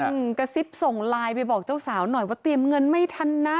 กระซิบส่งไลน์ไปบอกเจ้าสาวหน่อยว่าเตรียมเงินไม่ทันนะ